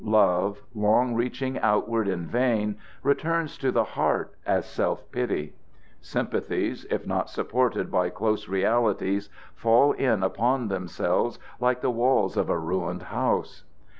Love, long reaching outward in vain, returns to the heart as self pity. Sympathies, if not supported by close realities, fall in upon themselves like the walls of a ruined house.